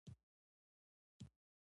وروسته يې د اوسپنې او زرو يو کان وموند.